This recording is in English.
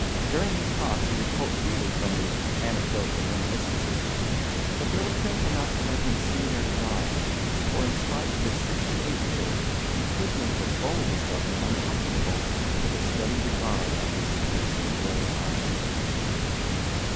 During his talks he would quote freely from the Anecdotes and Reminiscences. But they were very careful not to let him see their designs, for in spite of his sixty eight years he could make the boldest of them uncomfortable under the steady regard of his piercing gray eyes.